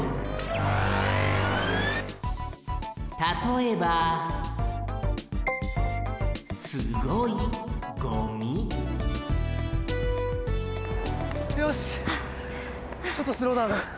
たとえばよしちょっとスローダウン。